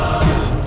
oh baik pak